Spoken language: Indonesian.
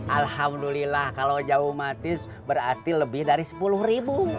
alhamdulillah kalau jauh matis berarti lebih dari sepuluh ribu